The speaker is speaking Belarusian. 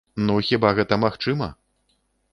Ну хіба гэта магчыма?